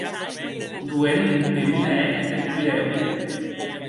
Rouen per un ahèr deth burèu.